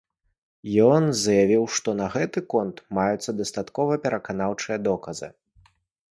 Ён заявіў, што на гэты конт маюцца дастаткова пераканаўчыя доказы.